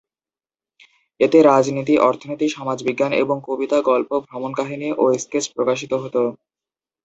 এতে রাজনীতি, অর্থনীতি, সমাজবিজ্ঞান এবং কবিতা, গল্প, ভ্রমণকাহিনী ও স্কেচ প্রকাশিত হতো।